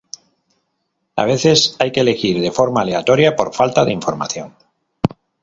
A veces hay que elegir de forma aleatoria por falta de información.